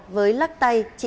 với lắc tay trị giá